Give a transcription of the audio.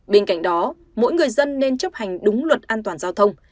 bên cạnh đó mỗi người dân nên chấp hành đúng luật an toàn giao thông